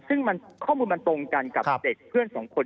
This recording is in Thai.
ซึ่งข้อมูลมันตรงกันกับเด็กเพื่อนสองคน